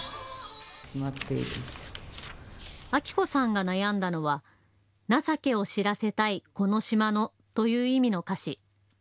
明子さんが悩んだのは情けを知らせたいこの島のという意味の歌詞。